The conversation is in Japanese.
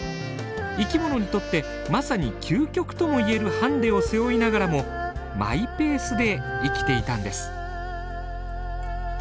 生きものにとってまさに究極ともいえるハンデを背負いながらもマイペースで生きていたんです。